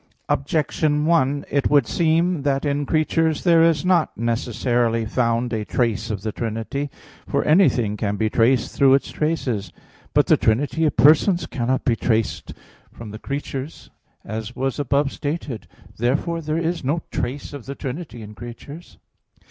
Objection 1: It would seem that in creatures there is not necessarily found a trace of the Trinity. For anything can be traced through its traces. But the trinity of persons cannot be traced from the creatures, as was above stated (Q. 32, A. 1). Therefore there is no trace of the Trinity in creatures.